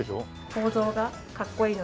構造がかっこいいので。